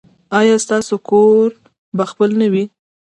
ایا ستاسو کور به خپل نه وي؟